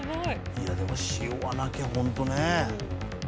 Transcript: いやでも塩はなきゃホントね。